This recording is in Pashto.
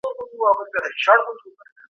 دوړې د لمدې ټوکر سره پاکې کړئ.